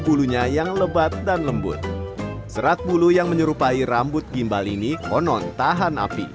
bulunya yang lebat dan lembut serat bulu yang menyerupai rambut gimbal ini konon tahan api